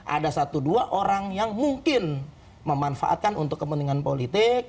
ada satu dua orang yang mungkin memanfaatkan untuk kepentingan politik